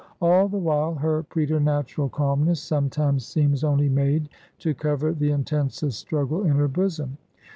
All the while, her preternatural calmness sometimes seems only made to cover the intensest struggle in her bosom.